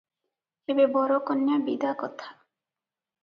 ଏବେ ବର କନ୍ୟା ବିଦା କଥା!